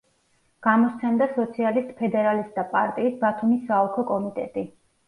გამოსცემდა სოციალისტ-ფედერალისტთა პარტიის ბათუმის საოლქო კომიტეტი.